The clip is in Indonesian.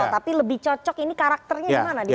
tapi lebih cocok ini karakternya